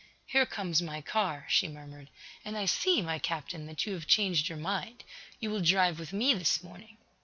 "Here comes my car," she murmured. "And I see, my Captain, that you have changed your mind. You will drive with me this morning."